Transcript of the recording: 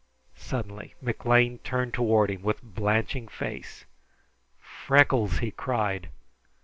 Suddenly McLean turned toward him with blanching face "Freckles!" he cried.